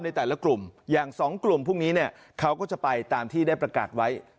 ในแต่ละกลุ่มอย่าง๒กลุ่มพวกนี้เนี่ยเขาก็จะไปตามที่ได้ประกาศไว้